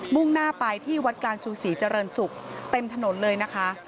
่งหน้าไปที่วัดกลางชูศรีเจริญศุกร์เต็มถนนเลยนะคะ